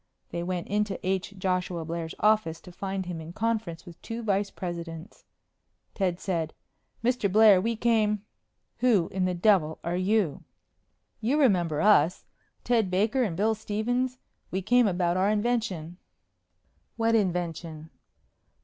They went into H. Joshua Blair's office to find him in conference with two vice presidents. Ted said, "Mr. Blair, we came " "Who in the devil are you?" "You remember us. Ted Baker and Bill Stephens. We came about our invention." "What invention?"